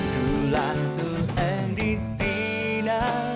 ทุกร้านทุกแห่งดีนะ